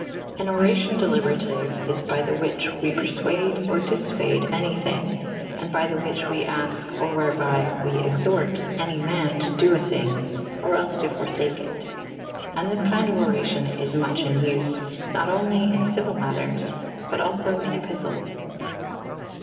An oraciow deliberatiue is by the whiche we p^rfuade or diffuade any thi«g / and by the which we afke / or whereby we exorte any man to do a thynge / or els to forfake it / and this kynde of oracion is muche in vse / nat onely in ciuile maters • but alfo in epiftles.